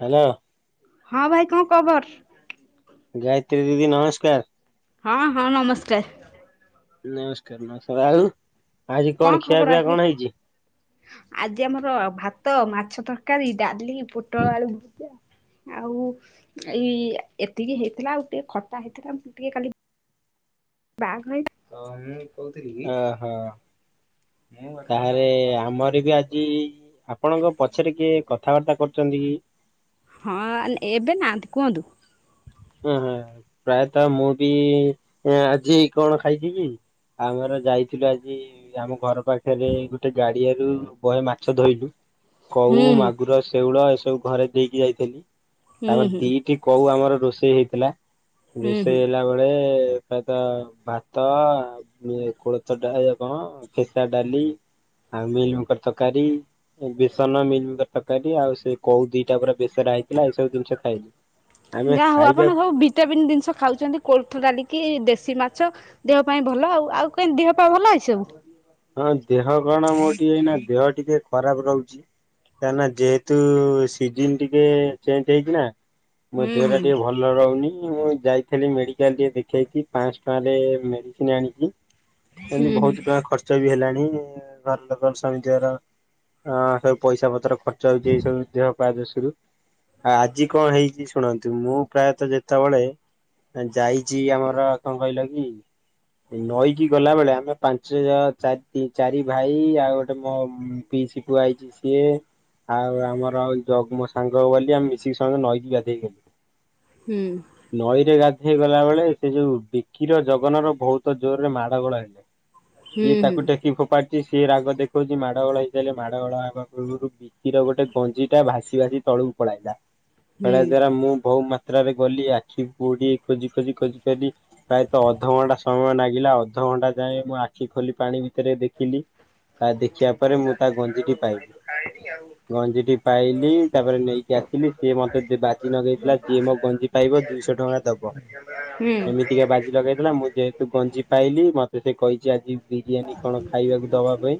Hello. ହଁ ଭାଇ କଣ ଖବର? ଗାୟତ୍ରୀ ଦିଦି ନମସ୍କାର। ହଁ ହଁ ନମସ୍କାର। ନମସ୍କାର ନମ ଆଉ ଆଜି କଣ ଖିଆ ଖବର ପିଆ ଆଜି କଣ ହେଇଛି? ଆଜି ଆମର ଭାତ ମାଛ ତରକାରୀ ଡାଲି। ପୋଟଳ ଆଳୁ ଭଜା। ଆଉ ଏଇ ଏତିକି ହେଇଥିଲା ଆଉ ଟିକେ ଖଟା ହେଇଥିଲା ମୁଁ ଟିକେ ଖାଲି ବ୍ୟାଗ ହଇ ଟା ଓହୋ ତାହେଲେ ଆମର ବି ଆ କି ଆପଣଙ୍କ ପଛରେ କିଏ କଥାବାର୍ତ୍ତା କରୁଛନ୍ତି କି? ହଁ ନ ଏବେ ନାହାନ୍ତି କୁହନ୍ତୁ। ଓହ ପ୍ରାୟତଃ ମୁଁ ବି ଆଜି କଣ ଖାଇଛି କି ଆମର ଯାଇଥିଲୁ ଆଜି ଆମ ଘର ପାଖରେ ଗୋଟେ ଗାଡିଆରୁ ବହେ ମାଛ ଧୋଇଲୁ କଉ ହୁଁ ହୁଁ ମାଗୁର ଶେଉଳ ଏସବୁ ଘରେ ଦେଇକି ଯାଇଥିଲି ହୁଁ ତାପରେ ହୁଁ ଦିଟି କଉ ଆମର ରୋଷେଇ ହେଇଥିଲା। ହୁଁ ହୁଁ। ରୋଷେଇ ହେଲା ବେଳେ ପ୍ରାୟତ ଭାତ କୋଳଥ ଡା କଣ ଫେସା ଡାଲି ଆଉ ମିଲମିକର ତରକାରୀ। ଏ ବେସନ ମିଲମିକର ତରକାରୀ ଆଉ ସେ କୋଉ ଦିଟା ପୁର ବେସରା ହେଇଥିଲା ଏଇ ସବୁ ଜିନିଷ ଖାଇଲି। ଆମେ ଯାହା ହଉ ଖାଇବା ଆପଣ ସବୁ ଭିଟାମିିନ ଜିନିଷ ଖାଉଛନ୍ତି କୋଳଥଡ଼ାଲି କି ଦେଶୀ ମାଛ। ଦେହ ପାଇଁ ଭଲ ଆଉ ଆଉ କେମିତି ଦେହ ପା ଭଲ ଅଛି ସବୁ। ହଁ ଦେହ କଣ ମୋର ଟିକେ ଏଇ ନା ଦେହ ଟିକେ ଖରାପ ରହୁଛି। କାରଣ ଯେହେତୁ ସିଜନ ଟିକେ ଚେଞ୍ଜ ହେଇଛି ନା ମୋ ହୁଁ ଦେହ ହୁଁ ଟା ଟିକେ ଭଲ ଭଲ ରହୁନି ମୁଁ ଯାଇଥିଲି ମେଡିକାଲ ଟିକେ ଦେଖେଇକି ପାଞ୍ଚଶହ ଟଙ୍କା ମେଡ଼ିସିନ ଆଣିଛି। ହୁଁ ଏମିତି ବହୁତ ପ୍ରକାର ଖର୍ଚ୍ଚ ବି ହେଲାଣି ଘର ଲୋକର ସମସ୍ତଙ୍କର। ହଁ ସବୁ ପଇସା ପତ୍ର ଖର୍ଚ୍ଚ ହେଇଯାଇଛି ସବୁ ଦେହ- ପା ଦୃଷ୍ଟିରୁ। ଆ-ଆଜି କଣ ହେଇଛି ଶୁଣନ୍ତୁ ମୁଁ ପ୍ରାୟତଃ ଯେତେବେଳେ ଯାଇଛି ଆମର କଣ କହିଲ କି? ନଈକି ଗଲାବେେଳେ ଆମେ ପାଞ୍ଚ ଯ ଚାରି- ଚାରି ଭାଇ ଆଉ ଗୋଟେ ମୋ ପିଇସି ପୁଅ ଆଇଛି ସିଏ। ଆଉ ଆମର ଜଗୁ ମୋ ସାଙ୍ଗ ବୋଲି ଆମେ ମିଶିକି ସମସ୍ତେ ମିଶିକି ନଈକି ଗାଧେଇ ଗଲୁ। ହୁଁ। ନଈରେ ଗାଧେଇ ଗଲା ବେଳେ ସେ ଯୋଉ ବିକିର, ଜଗନ ର ବହୁତ ଜୋରରେ ମାଡ଼ ଗୋଳ ହେଲେ। ହୁଁ ଇଏ ହୁଁ ତାକୁ ଟେକି ଫୋପାଡିଛି ସିଏ ରାଗ ଦେଖଉଛି ମାଡ଼ ଗୋଳ ହେଇସରିଲେ ମାଡ଼ ଗୋଳ ହେବା ପୂର୍ବରୁ ବି ବିକିର ଗୋଟେ ଗଞ୍ଜି ଟା ଭାସି ଭାସି ତଳକୁ ପଳାଇଲା ହୁଁ ବେଳେ ଦ୍ଵାରା ମୁଁ ବହୁ ପା ଯାତ୍ରାରେ ଗଲି ଆଖି ବୁଡ଼ି ଖୋଜି, ଖୋଜି ପ୍ରାୟତଃ ଅଧଘଣ୍ଟା ସମୟ ଲାଗିଲା ଅଧଘଣ୍ଟା ଯାଏ ମୁଁ ଆଖି ଖୋଲି ପାଣି ଭିତରେ ଦେଖିଲି ତା ଦେଖିବା ପରେ ମୁଁ ତା ଗଞ୍ଜିକି ପାଇଲି। ଗଞ୍ଜିଟି ପାଇଲି ତାପରେ ନେଇକି ଆସିଲି ସିଏ ମତେ ବାଜି ଲଗେଇଥିଲା ଯିଏ ମୋ ଗଞ୍ଜି ପାଇବ ଦୁଇଶହ ଟଙ୍କା ଦବ। ହୁଁ। ସିଏ ବାଜି ଲଗେଇଥିଲା ମୁଁ ଯେହେତୁ ଗଞ୍ଜି ପାଇଲି ମତେ ସେ କହିଛି ଆଜି ବିରିୟାନୀ କଣ ଖାଇବାକୁ ଦବା ପାଇଁ।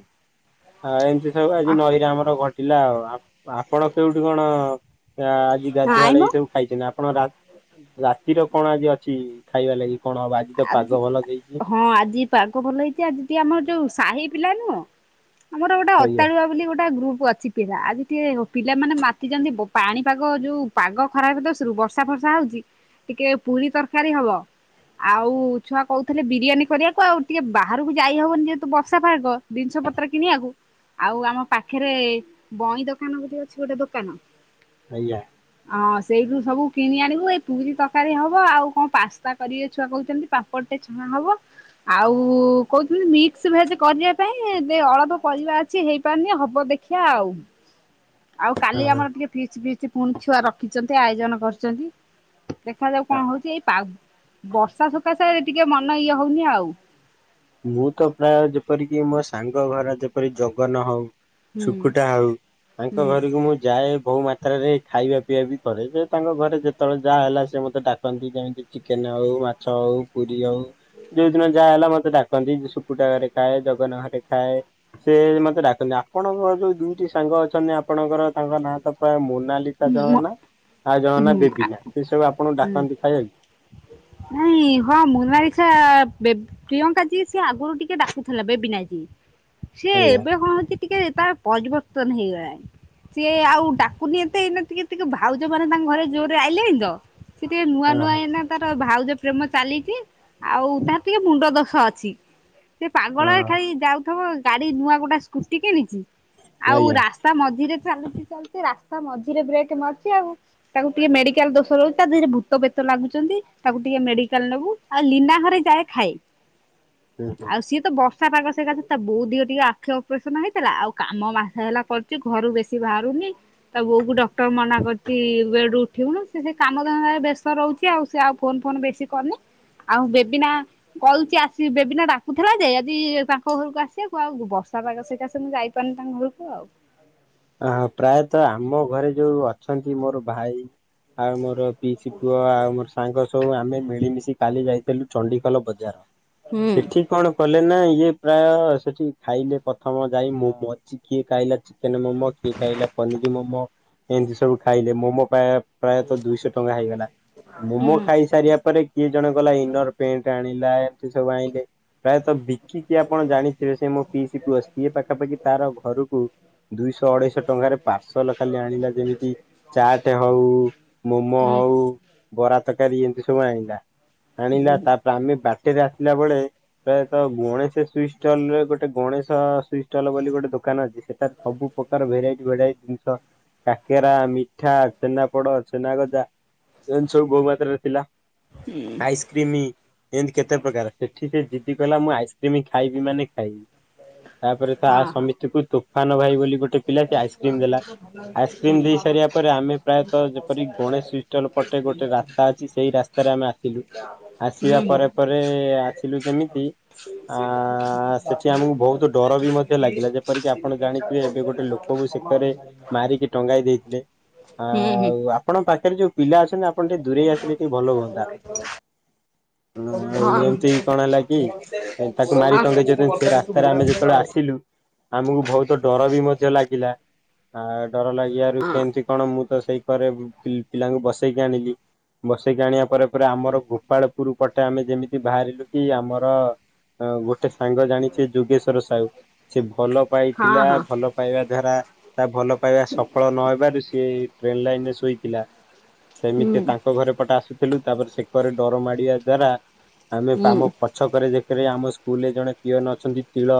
ଆ ଏମିତି ସବୁ ଆଜି ହୁଁ। ନଈରେ ଆମର ଘଟିଲା ଆଉ ଆପଣ କେଉଁଠି କଣ? ଆ ଆଜି ନାଇଁ ଗାଧୁଆବେଳେ ମ ଏଇ ସବୁ ଖାଇଛନ୍ତି ଆପଣ ରାତ୍ ରାତିର କଣ ଆଜି ଅଛି ଖାଇବା ଲାଗି କଣ ହବ ଆଜି? ତ ଆଜି ପାଗ ଭଲ ଦେଇଛି ହଁ ଆଜି ପାଗ ଭଲ ହେଇଛି ଆଜି ଟିକେ ଆମର ଯୋଉ ସାହି ପିଲା ନୁହଁ ଆମର ଗୋଟେ ଆଜ୍ଞା ଅତାଳୁଆ ବୋଲି ଗୋଟେ ଗ୍ରୁପ ଅଛି। ପିଲା ଆଜି ଟିକେ ପିଲାମାନେ ମାତି ଛନ୍ତି ବ ପାଣି ପାଗ ଯୋଉ ପାଗ ଖରାପ ଦୋଷରୁ ବର୍ଷା ଫର୍ଷା ହଉଛି। ଟିକେ ପୁରି ତରକାରୀ ହବ। ଆଉ ଛୁଆ କହୁଥିଲେ ବିରିୟାନୀ କରିବାକୁ ଆଉ ଟିକେ ବାହାରକୁ ଯାଇ ହବନି ଯେହେତୁ ବର୍ଷା ଫାଗ ଜିନିଷ ପତ୍ର କିଣିବାକୁ। ଆଉ ଆମ ପାଖରେ ବଇଁ ଦୋକାନ ବୋଲି ଅଛି ଗୋଟେ ଦୋକାନ। ଆଜ୍ଞା। ହଁ ସେଇଠୁ ସବୁ କିଣି ଆଣିବୁ ଏଇ ପୁରୀ ତରକାରୀ ହବ ଆଉ କଣ ପାସ୍ତା କରିବେ। ଛୁଆ କହୁଛନ୍ତି ପାମ୍ପଡ଼ ଟେ ଛଣା ହବ। ଆଉ କହୁଥିଲି ମିକ୍ସ ଭେଜ କରିବା ପାଇଁ ଯେ ଅଳପ ପରିବା ଅଛି ହେଇପାରୁନି ହବ ଦେ ଦେଖିଆ ଆଉ। ଆଉ ହଁ କାଲି ହଁ। ଆମର ଟିକେ ଫିଷ୍ଟ -ଫିଷ୍ଟ ପୁଣି ଛୁଆ ରଖିଛନ୍ତି ଆୟୋଜନ କରିଛନ୍ତି। ଦେଖାଯାଉ କଣ ହଉଛି ଏଇ ପା ବର୍ଷା ସକାଶେ ଟିକେ ମନ ଇଏ ହଉନି ଆଉ। ମୁଁ ତ ପ୍ରାୟ ଯେପରିକି ମୋ ସାଙ୍ଗ ଘର ଯେପରି ଜଗନ ହଉ ହୁଁ ଶୁକୁଟା ହଉ ତାଙ୍କ ହୁଁ ଘରକୁ ମୁଁ ଯାଏ, ଵୋହୁ ମା ମାତ୍ରାରେ ଖାଇବା ପିଇବା ବି କରେ ଯେ ତାଙ୍କ ଘରେ ଯେତେବେଳେ ଯାହା ହେଲା ସେ ମୋତେ ଡାକନ୍ତି ଯେମିତି ଚିକେନ ହଉ, ମାଛ ହଉ, ପୁରି ହଉ ଯୋଉ ଦିନ ଯାହା ହେଲା ମତେ ଡାକ ଡାକନ୍ତି ଶୁକୁଟା ଘରେ ଖାଏ ଜଗନ ଘରେ ଖାଏ। ସେ ମତେ ଡାକନ୍ତି ଆପଣଙ୍କ ଯୋଉ ଦୁଇଟି ସାଙ୍ଗ ଅଛନ୍ତି ଆପଣଙ୍କର ତାଙ୍କ ନାଁ ତ ପ୍ରାୟ ମୋନାଲି ଲିଶା ଜଣଙ୍କ ହୁଁ ନାଁ ଆଉ ଜଣଙ୍କ ନାଁ ବେବିନା ହୁଁ ସେ ସବୁ ଆପଣଙ୍କୁ ଡାକନ୍ତି ଖାଇବାକୁ? ନାଇଁ ହଁ ମୋନାଲିସା ବେ ପ୍ରିୟଙ୍କା ଯିଏ ସିଏ ଆଗରୁ ଟିକେ ଡାକୁଥିଲା ବେବିନା ଯିଏ। ସିଏ ଆଜ୍ଞା ଏବେ କଣ ହଉଛି ଟିକେ ତାର ପରିବର୍ତ୍ତନ ହେଇଗଲାଣି ସିଏ ଆଉ ଡାକୁନି। ସିଏ ଏଇନା ଟିକେ ଟିକେ ଭାଉଜମାନେ ତାଙ୍କ ଘରେ ଜୋରରେ ଆଇିଲେଣି ତ ସେ ଟିକେ ନୂଆ ହଁ ହଁ ନୂଆ ଏଇନା ତାର ଭାଉଜ ପ୍ରେମ ଚାଲିଛି ଆଉ ତାର ଟିକେ ମୁଣ୍ଡ ଦୋଷ ଅଛି। ସେ ପାଗଳରେ ହଁ ଖାଲି ଯାଉଥିବ ଗାଡି ନୂଆ ଗୋଟେ ସ୍କୁଟି କିଣିଛି ହଁ ଆଉ ଆଜ୍ଞା ରାସ ରାସ୍ତା ମଝିରେ ଚାଲୁଚି ଚାଲୁଚି ରାସ୍ତା ମଝିରେ ବ୍ରେକ୍ ମାରୁଛି ଆଉ। ତାକୁ ଟିକେ ମେଡିକାଲ ଦୋଷ ରହୁଛି ତା ଦେହରେ ଭୂତ ପ୍ରେତ ଲାଗୁଛନ୍ତି ତାକୁ ଟିକେ ମେଡିକାଲ ନବୁ। ଆଉ ଲୀନା ଘରେ ଯାଏ ଖାଏ। ହୁଁ ହୁଁ ଆଉ ସିଏ ତ ବସ ବର୍ଷା ପାଖ ସକାସେ ତା ବୋଉ ଦିଅ ଟିକେ ଆଖି ଅପରେସନ ହେଇଥିଲା ଆଉ କାମ ମାସେ ହେଲା କରୁଛି ଘରୁ ବେଶୀ ବାହାରୁନି। ତା ବୋଉକୁ ଡକ୍ଟର ମନା କରିଛି ବେଡରୁ ଉଠିବୁନୁ ସିଏ ସେ କାମଧନ୍ଦାରେ ବ୍ୟସ୍ତ ରହୁଛି। ସିଏ ଆଉ ସିଏ ଆଉ ଫୋନ ଫୋନ ବେଶୀ କରିନି ଆଉ ବେବିନା କହୁଛି ଆସ ବେବିନା ଡାକୁଥିଲା ଯେ ଆଜି ତାଙ୍କ ଘରକୁ ଆସିବାକୁ ଆଉ ବର୍ଷା ପାାଗ ସକାଶେ ମୁ ଯାଇ ପାରିନି ତାଙ୍କ ଘରୁକୁ ଆଉ। ଅ ପ୍ରାୟତଃ ଆମ ଘରେ ଯୋଉ ଅଛନ୍ତି ମୋର ଭାଇ ଆଉ ମୋର ପିଇସି ପୁଅ ଆଉ ମୋର ସାଙ୍ଗ ସବୁ ଆମେ ମିଳିମିଶି କାଲି ଯାଇଥିଲୁ ଚଣ୍ଡିଖୋଲ ବଜାର ହୁଁ ସେଠି କଣ କଲେନା ଇଏ ପ୍ରାୟ ସେଠି ଖାଇଲେ ପ୍ରଥମ ଯାଇ ମୋମୋ ଜ କିଏ ଖାଇଲା ଚିକେନ ମୋମୋ କିଏ ଖାଇଲା ପନିର ମୋମୋ ଏମିତି ସବୁ ଖାଇଲେ ମୋମୋ ପା ପ୍ରାୟତଃ ଦୁଇଶହ ଟଙ୍କା ହେଇଗଲା ହୁଁ ମୋମୋ ଖାଇସାରିବା ପରେ କିଏ ଜଣେ ଗଲା ଇନର ପେଣ୍ଟ ଆଣିଲା ଏମତି ସବୁ ଆଣିଲେ ପ୍ରାୟତଃ ବି ବିକିକି ଆପଣ ଜାଣିଥିବେ ସେ ମୋ ପିଇସି ପୁଅ ସିଏ ପାଖାପାଖି ତାର ଘରକୁ ଦୁଇଶହ ହ ଅଢେଇଶହ ଟଙ୍କାରେ ପାର୍ସଲ ଖାଲି ଆଣିଲା ଯେମିତି ଚାଟ ହଉ ମୋମୋ ହୁଁ ହଉ ବରା ତରକାରୀ ଏମତି ସବୁ ଆଣିଲା ଆଣିଲା ତାପରେ ଆମେ ବାଟରେ ଆସିଲା ବେଳେ ପ୍ରାୟତ ଗଣେଶ ସୁଇଟ ଷ୍ଟଲରେ ଗୋଟେ ଗଣେଶ ସୁଇଟ ଷ୍ଟଲ୍ ବୋଲି ଗୋଟେ ଦୋକାନ ଅଛି ସେ ସବୁ ପ୍ରକାର ଭେରାଇଟି ଭେରାଇଟି ଜିନିଷ କାକେରା ମିଠା ଛେନାପୋଡ ଛେନାଗଜା ଏମତି ସବୁ ବୋଉ ମାତ୍ରାରେ ଥିଲା। ହୁଁ ଆଇସ୍ କ୍ରିମି ଏମିତି କେତେ ପ୍ରକାର ସେଠି ସେ ଜିଦି କଲା ମୁଁ ଆଇସ୍କ୍ରିମ ଖାଇବି ମାନେ ଖାଇବି। ତାପରେ ତ ଆ ହଁ ହଁ ସମିତିକୁ ତୋଫାନ ଭାଇ ବୋଲି ଗୋଟେ ପିଲାଟି ଆଇସ୍କ୍ରିମ ଦେଲା ଆଇସ୍କ୍ରିମ ଦେଇ ହୁଁ ସାରିବା ପରେ ଆମେ ପ୍ରାୟତଃ ଯେପରି ଗଣେଶ ପଟେ ଗୋଟେ ରାସ୍ତା ଅଛି ସେଇ ରାସ୍ତାରେ ଆମେ ଆସିଲୁ ଆସିବା ହୁଁ ପରେ ପରେ ଦେଖିଲୁ ଯେମିତି ଆ ସେଠି ଆମକୁ ବହୁତ ଡର ବି ମଧ୍ୟ ଲାଗିଲା ଯେପରିକି ଆପଣ ଜାଣିଥିବେ ଏବେ [unintelligible] ଗୋଟେ ଲୋକକୁ ସେତରେ ମାରିକି ଟଙ୍ଗାଇ ଦେଇଥିଲେ ହୁଁ ହୁଁ ଆଉ ଆପଣ ପାଖରେ ଯୋଉ ପିଲା ଅଛନ୍ତି ଆପଣ ଟିକେ ଦୂରେଇ ଆସିଲେ ଟିକେ ଭଲ ହୁଅନ୍ତା। ହଁ ଆଉ ଏମିତି କଣ ହେଲା କି ଭିତରେ ତାକୁ ମାରି ଟଙ୍କେଇଛନ୍ତି ସେ ରାସ୍ତାରେ ଆମେ ଯେତେବେଳେ ଆସିଲୁ ଆମକୁ ବହୁତ ଡର ବି ମଧ୍ୟ ଲାଗିଲା ଆଉ ଡର ଲାଗିବାରୁ ହଁ କେମିତି କଣ ମୁଁ ତ ସେଇ କରେ ପିଲାଙ୍କୁ ବସେଇକି ଆଣିଲି। ବସେଇକି ଆଣିବା ପରେ ପରେ ଆମର ଗୋପାଳପୁର ପଟେ ଆମେ ଯେମିତି ବାହାରିଲୁ କି ଆମର ଅ ଗୋଟେ ସାଙ୍ଗ ଜାଣିଛେ ଯୋଗେଶ୍ଵର ସାହୁ ସେ ଭଲ ପାଇଥିଲା ହଁ ହଁ ଭଲ ପାଇବା ଦ୍ଵାରା ତା ଭଲ ପାଇବା ସଫଳ ନହେବାରୁ ସିଏ ଟ୍ରେନ ଲାଇନରେ ଶୋଇଥିଲା ହୁଁ ସେମିତି ତାଙ୍କ ଘରେ ପଟେ ଆସୁ ଥିଲୁ ତାପରେ ସେକରେ ଡର ମାଡିବା ଦ୍ଵାରା ଆମେ ହୁଁ ଆମ ପଛକରେ ଦେକରେ ଆମ ସ୍କୁଲରେ ଜଣେ ପିଅନ ଅଛନ୍ତି ତିଳ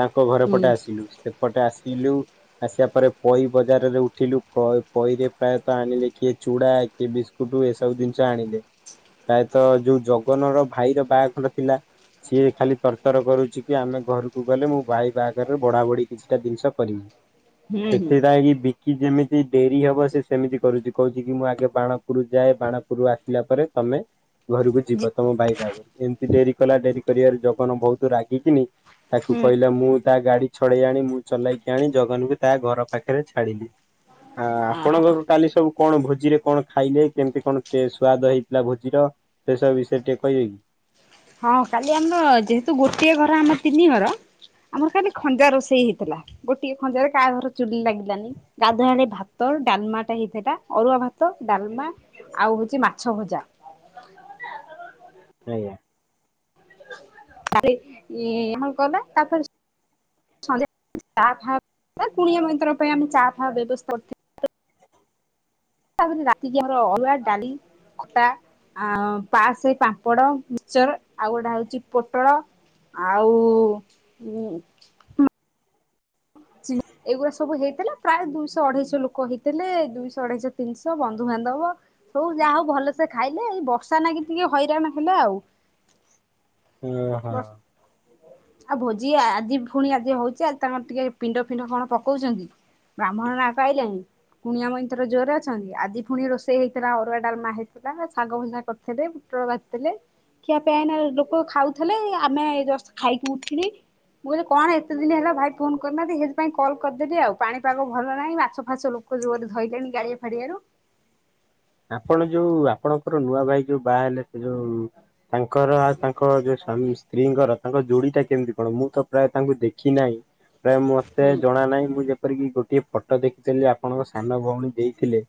ତାଙ୍କ ଘରେ ହୁଁ ପଟେ ଆସିଲୁ। ପଟେ ଆସିଲୁ। ଆସିବା ପରେ ପଇ ବଜାରରେ ଉଠିଲୁ ପଇରେ ପ୍ରାୟତଃ ଆଣିଲେ କିଏ ଚୁଡା କିଏ ବିସ୍କୁଟୁ ଏସବୁ ଜିନିଷ ଆଣିଲେ। ପ୍ରାୟତଃ ଯୋଉ ଜଗନର ଭାଇର ବାହାଘର ଥିଲା। ସିଏ ଖାଲି ତରତର କରୁଛି କି ଆମେ ଘରକୁ ଗଲେ ମୋ ଭାଇ ବାହାଘରରେ ବଢା ବଢି କିଛିଟା ଜିନିଷ ହୁଁ କରିବି ହୁଁ। ସେଥିପାଇଁ ବି କି ଯେମିତି ଡେରି ହବ ସେ ସେମିତି କରୁଛି କହୁଛି କି ମୁଁ ଆଗେ ବାଣପୁର ଯାଏ ବାଣପୁରରୁ ଆସିଲା ପରେ ତମେ ଘରକୁ ଜି ଯିବ ତମ ଭାଇ ବାହାଘରୁ ଏମିତି ଡେରି କଲା ଡେରି କରିବାରେ ଜଗନ ବହୁତ ରାଗିକିନି ତାକୁ ହୁଁ କହିଲା ମୁଁ ତା ଗାଡି ଛଡେଇ ଆଣି ମୁଁ ଚଲେଇକି ଆଣି ଜଗନ୍କୁ ତା ଘର ପାଖରେ ଛାଡିଲି। ଆ ଅହ ଆପଣଙ୍କ କାଲି ସବୁ କଣ ଭୋଜିରେ କଣ ଖାଇଲେ? କେମିତି କଣ ସ୍ଵାଦ ହେଇଥିଲା ଭୋଜିର? ସେ ସବୁ ବିଷୟରେ ଟିକେ କହିବେ କି। ହଁ କାଲି ଆମର ଯେହେତୁ ଗୋଟଏ ଘର ଆମର ତିନି ଘର। ଆମର ଖାଲି ଖଞ୍ଜା ରୋଷେଇ ହେଇଥିଲା ଗୋଟିଏ ଖଞ୍ଜାରେ କାହା ଘର ଚୁଲି ଲାଗିଲାନି। ଗାଧୁଆଳି ଭାତ ଡାଲମା ଟା ହେଇଥାଟା ଅରୁଆ ଭାତ ଡାଲମା। ଆଉ ହଉଛି ମାଛ ଭଜା। ଆଜ୍ଞା। [unintelligible] ଗଲା ତାପରେ [unintelligible] କୁଣିଆ ମଇନ୍ତର ପାଇ ଚା ଫାହା ବ୍ୟବସ୍ଥା କର ତାପରେ ରାତିକି ଆମର ଅଲଗା ଡାଲି। ଖଟା ଆ ପାସ ପାମ୍ପଡ ମିକଚର ଆଉ ଗୋଟା ହଉଛି ପୋଟଳ। ଆଉ ଚିଙ୍ଗ ଏଇଗୁଡା ସବୁ ହେଇଥିଲା ପ୍ରାୟ ଦୁଇଶହ, ଅଢେଇଶହ ଲୋକ ହେଇଥିଲେ ଦୁଇଶହ, ଅଢେଇଶହ, ତିନିଶହ ବନ୍ଧୁବାନ୍ଧବ। ସବୁ ଯାହା ହଉ ଭଲସେ ଖାଇଲେ ଏଇ ବର୍ଷା ନାଗି ଟିକେ ହଇରାଣ ହେଲେ ଆଉ। ହଁ ହଁ। ହ ଆଉ ଭୋଜି ଆଜି ପୁଣି ଆଜି ହଉଛି ଆ ତାଙ୍କର ଟିକେ ପିଣ୍ଡ ଫିଣ୍ଡ କଣ ପକଉଛନ୍ତି। ବ୍ରାହ୍ମଣ ନାଁ ପାଇଲେଣି? କୁଣିଆ ମଇତ୍ର ଜୋରରେ ଅଛନ୍ତି? ଆଜି ପୁଣି ରୋଷେଇ ହେଇଥିଲା, ଅରୁଆ ଡାଲମା ହେଇଥିଲା ଶାଗ ଭଜା ପୁଟଳ ଭାଜିଥିଲେ, ଖିଆ ପିଆ ହେଇକିନା ଲୋକ ଖାଉ ଥିଲେ ଆମେ ଖାଇକି ଉଠଥିଲି ମୁଁ କହିଲି କଣ ଏତେ ଦିନ ହେଲା ଭାଇ ଫୋନ କରିନାହାନ୍ତି, ସେଥିପାଇଁ କଲ କରିଦେଲି ଆଉ ପାଣିପାଗ ଭଲ ନାହିଁ ମାଛ ଫାସ ଲୋକ ଧରଲେଣି ଗାଡିଆ ଫାଡିଆରୁ ଆପଣ ଯୋଉ ଆପଣଙ୍କର ନୂଆ ଭାଇ ଯୋଉ ବାହା ହେଲେ ଯୋଉ ତାଙ୍କର ଆଉ ତାଙ୍କ ଯୋଉ ସ୍ୱାମୀ ସ୍ତ୍ରୀଙ୍କର ତାଙ୍କ ଯୋଡିଟା କେମିତି କଣ ମୁଁ ତ ପ୍ରାୟ ତାଙ୍କୁ ଦେଖି ନାହିଁ ପ୍ରାୟ ମତେ ହୁଁ ଜଣା ନାହିଁ ମୁଁ କରିକି ଗୋଟିଏ ଫଟୋ ଦେଖିଥିଲି ଆପଣଙ୍କ ସାନ ଭଉଣୀ ଦେଇଥିଲେ,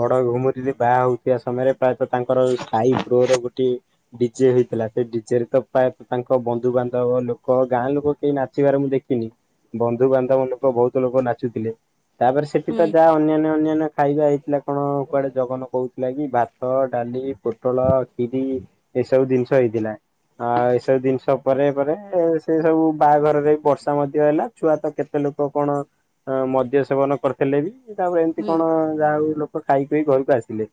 ବଡ ଘୁମୁ ବାହା ହଉଥିବା ସମୟରେ ପ୍ରାୟତଃ ତାଙ୍କର ସାହି ପୁଅର ଗୋଟେ ଡିଜେ ହେଇଥିଲା ସେ ଡିଜେ ରେ ତ ପ୍ରାୟ ତାଙ୍କ ବନ୍ଧୁବାନ୍ଧବ ଲୋକ ଗାଁ ଲୋକ କେହି ନା ନାଚିବାର ମୁଁ ଦେଖିନି, ବନ୍ଧୁବାନ୍ଧବକ ବହୁତ ଲୋକ ନାଚୁଥିଲେ ତାପରେ ସେଠି ତ ହୁଁ ଯାହା ଅନ୍ୟାନ୍ୟ ଅନ୍ୟାନ୍ୟ ଖାଇବା ହେଇଥିଲା କଣ କୁଆଡେ ଜଗନ କହୁଥିଲା କି ଭାତ ଡାଲି ପୋଟଳ କ୍ଷୀରି ଏସବୁ ଜିନିଷ ହେଇଥିଲା ଆଉ ଏଇସବୁ ଜିନିଷ ପରେ ପରେ ସେ ସବୁ ବାହାଘରରେ ବର୍ଷା ମଧ୍ୟ ହେଲା। ଛୁଆ ତ କେତେ ଲୋକ କଣ ମଦ୍ୟ ସେବନ କରିଥିଲେ, ବି ତାପରେ ଏମିତି ହୁଁ। କଣ ଯାହା ହଉ ଖାଇ ପିଇ ଘରକୁ ଆସିଥିଲେ।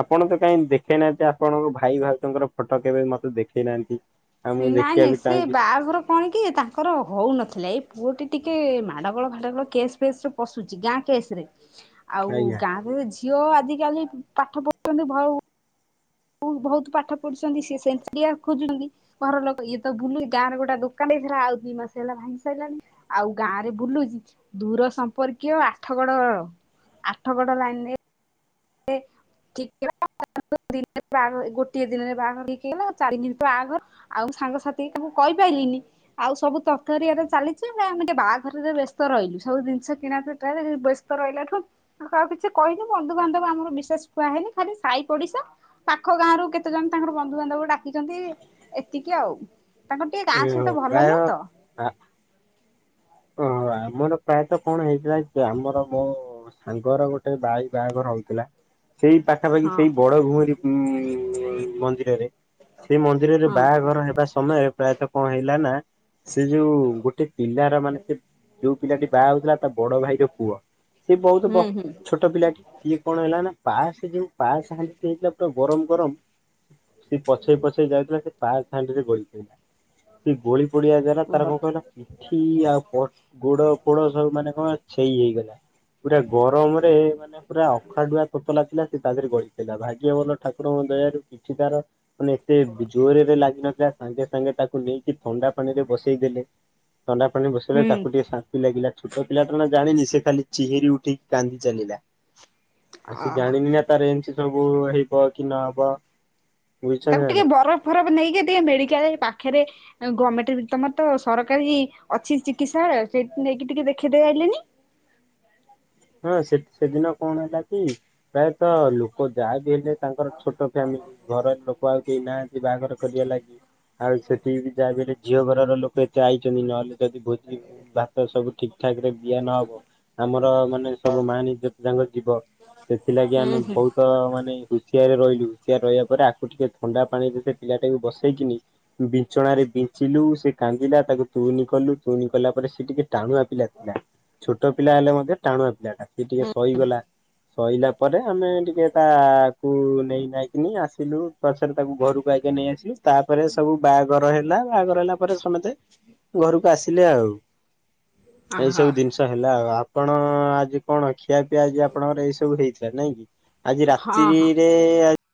ଆପଣ ତ କାଇହିଁ ଦେଖେଇନାହାନ୍ତି, ଆପଣଙ୍କ ଭାଇ ଭାଉଙ୍କର ଫଟୋ କେବେ ମତେ ଦେଖେଇ ନାହାନ୍ତି। ଆଉ ମୁଁ ନାଇଁ ନାଇଁ ଦେଖିବାକୁ ସେ ଚାହୁଁଛି ବାହାଘର କଣ କି ତାଙ୍କର ହଉନଥିଲା ଏଇ ପୁଅଟି ଟିକେ ମାଡ଼ଗୋଳ ଫାଡ଼ଗୋଳ କେସ୍ ଫେସ୍ ରେ ପଶୁଛି ଗାଁ କେସ୍ ରେ। ଆଉ ଆଜ୍ଞା ଗାଁରେ ଝିଅ ଆଜିକାଲି ପାଠ ପଢ଼ୁଛନ୍ତି ଭାଉ ବହୁତ ପାଠ ପଢ଼ୁଛନ୍ତି ସିଏ ସେମିତିଆ ଖୋଜୁଛନ୍ତି। ଘର ଲୋକ ଇଏ ତ ବୁଲୁ ଗାଁରେ ଗୋଟେ ଦୋକାନ ଦେଇଥିଲା, ଆଉ ଦିଇ ମାସ ହେଲା ଭାଙ୍ଗି ସାରିଲାଣି। ଆଉ ଗାଁ ରେ ବୁଲୁଛି ଦୂର ସମ୍ପର୍କୀୟ ଆଠଗଡ ଆଠ ଗଡ ଲାଇନରେ ସେ [unintelligible] ଗୋଟିଏ ଦିନ ବାହା ହେଇକି ଗଲା ଚାରି ଦିନରୁ ଆ ଘର ଆଉ ସାଙ୍ଗସାଥି ତାକୁ କହିପାରିଲିନି? ଆଉ ସବୁ ତରତରିଆରେ ଚାଲିଛି ଆମେ ଟିକେ ବାହାଘରରେ ବ୍ୟସ୍ତ ରହିଲୁ। ସବୁ ଜିନିଷ କିଣା [unintelligible] ରହିଲାଠୁ ଆଉ କିଛି କହିହନି ବନ୍ଧୁବାନ୍ଧବ ଆମର ବିଶେଷ ଖୁଆହେଇନି, ଖାଲି ସାଇ ପଡିଶା ପାଖ ଗାଁରୁ କେତେ ଜଣ ତାଙ୍କର ବନ୍ଧୁବାନ୍ଧବ ଡାକିଛନ୍ତି ଏତିକି ଆଉ। ତାଙ୍କର ଟିକେ ଗାଁ ସହିତ ଭଲ ନୁହଁ ତ। ନା। ଓହୋ ଆମର ପ୍ରାୟତଃ କଣ ହେଇଥିଲା ଯେ ଆମର ମୋ ମୋ ସାଙ୍ଗର ଗୋଟେ ଭାଇ ବାହାଘର ହଉଥିଲା। ସେଇ ପାଖାପାଖି ହଁ ସେଇ ବଡ ଘୁମରି ମନ୍ଦିରରେ। ସେ ମନ୍ଦିରରେ ହଁ ବାହାଘର ହେବା ସମୟରେ ପ୍ରାୟତଃ କଣ ହେଇଲା ନା ସେ ଯୋଉ ଗୋଟେ ପିଲାର ମାନେ ସେ ଯୋଉ ପିଲାଟି ବାହା ହଉଥିଲା ତା ବଡ ଭାଇର ପୁଅ ସେ ବହୁତ ହୁଁ ହୁଁ ଛୋ ଛୋଟ ପିଲାଟି ସିଏ କଣ ହେଲା ନା ପାସ ଯେଉଁ ପାସ ହାଣ୍ଡି ହେଇଥିଲା ପୁରା ଗରମ ଗରମ ସେି ପଛେଇ ପଛେଇ ଯାଉଥିଲା ସେ ପାଇସ ହାଣ୍ଡିରେ ଗଳିପଡିଲା। ସେ ଗୋଳି ପଡିଆ ଯାଏ ତାର ଓହୋ କଣ କହିଲ ପିଠି ଆଉ ଗୋଡ ପୋଡ ସବୁ ମାନେ କଣ ଛଇ ହେଇଗଲା ପୁରା ଗରମରେ ମାନେ ପୁରା ଅଖାଡୁଆ ତୋତଲା ଥିଲା ସେ ତା ଦେହରେ ଗଳି ପଇଲା ଭାଗ୍ୟବଲ ଠାକୁରଙ୍କ ଦୟାରୁ କିଛି ତାର ମାନେ ଏତେ ଜୋରରେ ଲାଗିିନଥିଲା ସାଙ୍ଗେ ସାଙ୍ଗେ ତାକୁ ନେଇକି ଥଣ୍ଡା ପାଣି ରେ ବସେଇ ଦେଲେ। ଥଣ୍ଡା ପାଣୀ ରେ ବସେଲଲେ ହୁଁ ତାକୁ ଟିକେ ସା ଲାଗିଲା ଛୋଟ ପିଲାଟା ନା ଜାଣିନି ସେ ଖାଲି ଚେହେରି ଉଠି କାନ୍ଦି ଚାଲିଲା। ଆ ସେ ଅ ଜାଣିନି ନା ତାର ଏମିତି ସବୁ ହେଇବ କି ନହବ। ବୁଝୁଛନ୍ତି ତାକୁ ନା ଟିକେ ନାଇଁ। ବରଫ ଫରଫ ନେଇକି ଟିକେ ମେଡିକାଲ ଏ ପାଖରେ ଗମେଣ୍ଟ ରେ ତମର ତ ସରକାରୀ ଅଛି ଚିକିତ୍ସାଳୟ ସେଇଠି ନେଇକି ଟିକେ ଦେଖେଇଦେ ଆଇଲେନି। ହଁ ସେ ସେଦିନ କଣ ହେଲା କି ପ୍ରାୟତଃ ଲୋକ ଯାହା ବି ହେଲେ ତାଙ୍କର ଛୋଟ ଫ୍ୟାମିଲି ଘର ଲୋକ ଆଉ କେହି ନାହାନ୍ତି ବାହାଘର କରିବା ଲାଗି। ଆଉ ସେଠିକି ବି ଯାଇ ବି ହେଲେ ଝିଅ ଘରର ଲୋକ ଏତେ ଆଇଛନ୍ତି ନହେଲେ ଯଦି ଭୋଜି ଭାତ ସବୁ ଠିକ ଠାକ ରେ ବିଆ ନହବ ଆମର ମାନେ ସବୁ ମାନ୍ ଇଜତ ଯାଙ୍କ ଯିବ ସେଥିଲାଗି ହୁଁ ଆମେ ହୁଁ। ବହୁତ ତ ମାନେ ହୁସିଆରେ ରହିଲୁ ହୁସିଆରେ ରହିବା ପରେ ଆକୁ ଟିକେ ଥଣ୍ଡା ପାଣିରେ ସେ ପିଲା ଟାକୁ ବସେଇକିନି ବିଛଣାରେ ବିଞ୍ଚିଲୁ ସେ କାନ୍ଦିଲା ତାକୁ ତୁଇନି କଲୁ ତୁଇନି କଲା ପରେ ସେ ଟିକେ ଟାଣୁଆ ପିଲା ଥିଲା ଛୋଟ ପିଲା ହେଲେ ମଧ୍ୟ ଟାଣୁଆ ପିଲା ଟା ସି ଟିକେ ସହିଗଲା। ସଇଲା ପରେ ଆମେ ଟିକେ ତାକୁ ନେଇ ନାଇକିନି ଆସିଲୁ ପ ଛରେ ତାକୁ ଘରକୁ ଆଗେ ନେଇ ଆସିଲୁ ତାପରେ ସବୁ ବାହାଘର ହେଲା ବାହାଘର ହେଲା ପରେ ସମତେ ଘରକୁ ଆସିଲେ ଆଉ ଏଇ ଅହ ହଁ ସବୁ ଜିନିଷ ହେଲା ଆଉ ଆପଣ ପଣ ଆଜି କଣ ଖିଆ ପିଆ ଆଜି ଆପଣଙ୍କର ଏଇ ସବୁ ହେଇଥିଲା ନାଇଁ କି। ଆଜି ହଁ। ହଁ। ରାତିିରେ ଆ